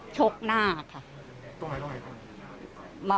ชกหน้าค่ะ